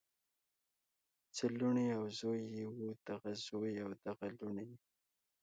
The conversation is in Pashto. څو لوڼې او زوي یې وو دغه زوي او دغه لوڼو یی